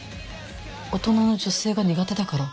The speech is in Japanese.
大人の女性が苦手だから？